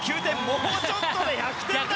もうちょっとで１００点台。